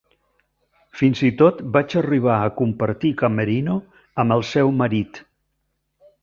Fins i tot vaig arribar a compartir camerino amb el seu marit.